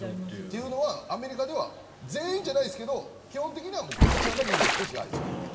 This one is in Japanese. というのは、アメリカでは全員じゃないですけど基本的にはピッチャーがリードして支配すると。